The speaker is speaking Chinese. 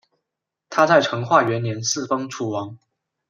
他在成化元年嗣封楚王。